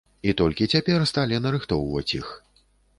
І толькі цяпер сталі нарыхтоўваць іх.